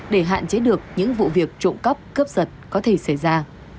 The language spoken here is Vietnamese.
để hạn chế được những vụ việc trộm cắp cướp giật có thể xảy ra